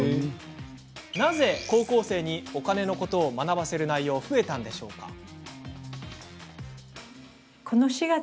なぜ高校生にお金のことを学ばせる内容が増えたのでしょうか？